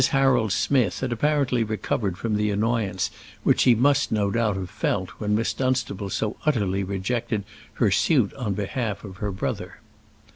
Harold Smith had apparently recovered from the annoyance which she must no doubt have felt when Miss Dunstable so utterly rejected her suit on behalf of her brother.